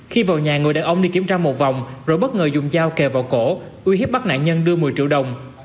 khi vào nhà người đàn ông đi kiểm tra một vòng rồi bất ngờ dùng dao kề vào cổ uy hiếp bắt nạn nhân đưa một mươi triệu đồng